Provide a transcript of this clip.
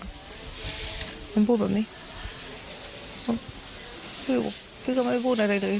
มันพูดแบบนี้คือพี่ก็ไม่พูดอะไรเลย